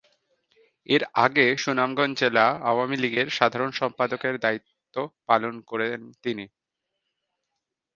এর আগে সুনামগঞ্জ জেলা আওয়ামী লীগের সাধারণ সম্পাদকের দ্বায়িত্ব পালন করেন তিনি।